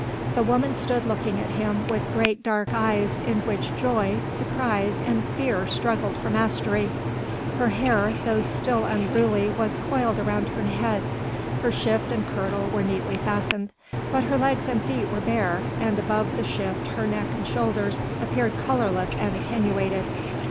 The woman stood looking at him with great, dark eyes in which joy, surprise and fear struggled for mastery. Her hair though still unruly was coiled around her head, her shift and kirtle were neatly fastened, but her legs and feet were bare and above the shift her neck and shoulders appeared colourless and attenuated.